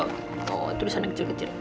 tunggu itu disana kecil kecil